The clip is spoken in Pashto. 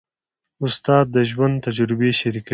استاد د ژوند تجربې شریکوي.